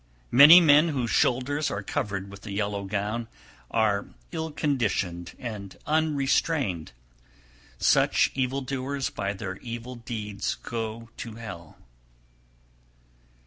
307. Many men whose shoulders are covered with the yellow gown are ill conditioned and unrestrained; such evil doers by their evil deeds go to hell.